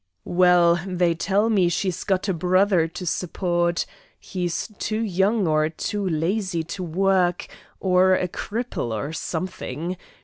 "Well, they tell me she's got a brother to support. He's too young or too lazy to work, or a cripple or something.